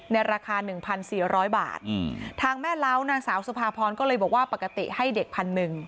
ในราคา๑๔๐๐บาททางแม่เล้านางสาวสุภาพรก็เลยบอกว่าปกติให้เด็กพันหนึ่ง